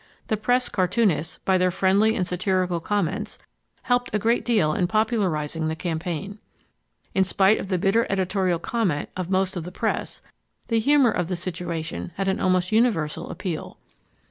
The Press cartoonists, by their friendly and satirical comments, helped a great deal in popularizing the campaign. In spite of the bitter editorial comment of most of the press, the humor of the situation had an almost universal appeal.